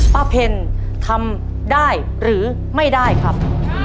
เพลทำได้หรือไม่ได้ครับ